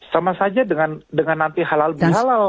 sama saja dengan nanti halal bihalal